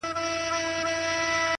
د ژوند لار په قدمونو جوړیږي؛